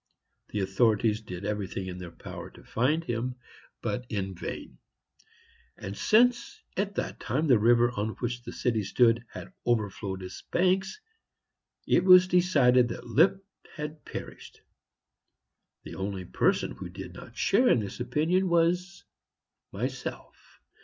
The authorities did everything in their power to find him, but in vain; and since, at that time, the river, on which the city stood, had overflowed its banks, it was decided that Lipp had perished. The only person who did not share in this opinion was myself.